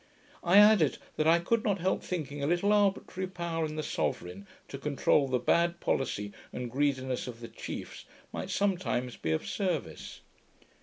I added, that I could not help thinking a little arbitrary power in the sovereign, to control the bad policy and greediness of the chiefs, might sometimes be of service.